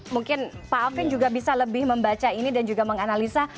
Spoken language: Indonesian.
mungkin pak alvin juga bisa lebih membaca ini dan juga menganalisa